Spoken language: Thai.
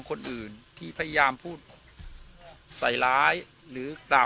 วันนี้ก็จะเป็นสวัสดีครับ